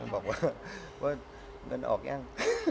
บอกว่าเงินออกยัง